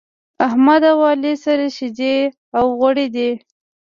احمد او علي سره شيدې او غوړي دی.